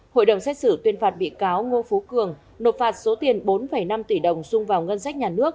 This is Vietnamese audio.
hội đồng xét xử tuyên phạt bị cáo ngô phú cường nộp phạt số tiền bốn năm tỷ đồng sung vào ngân sách nhà nước